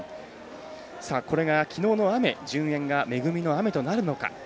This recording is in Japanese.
これが、きのうの雨順延が恵みの雨となるのか。